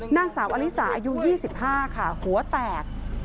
นางสาวอลิสาอายุ๒๕ค่ะหัวแตก